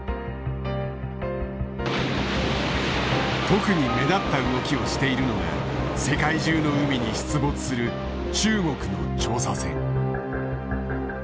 特に目立った動きをしているのが世界中の海に出没する中国の調査船。